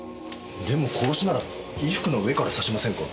でも殺しなら衣服の上から刺しませんか？